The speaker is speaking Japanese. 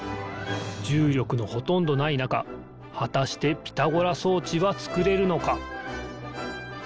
じゅうりょくのほとんどないなかはたしてピタゴラそうちはつくれるのか？